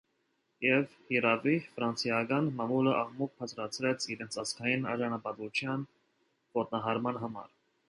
Եվ, հիրավի, ֆրանսիական մամուլը աղմուկ բարձրացրեց իրենց ազգային արժանապատվության ոտնահարման համար։